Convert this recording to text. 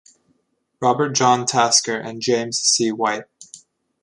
Robert-John Tasker and James C. White.